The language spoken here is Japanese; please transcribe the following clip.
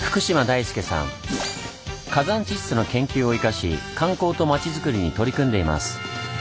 火山地質の研究を生かし観光と街づくりに取り組んでいます。